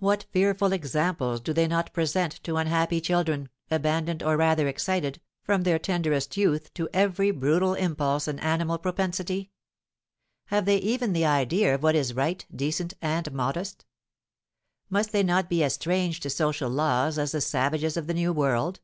What fearful examples do they not present to unhappy children, abandoned, or rather excited, from their tenderest youth to every brutal impulse and animal propensity? Have they even the idea of what is right, decent, and modest? Must they not be as strange to social laws as the savages of the New World?